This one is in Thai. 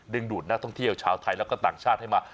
ดูดนักท่องเที่ยวชาวไทยแล้วก็ต่างชาติให้มา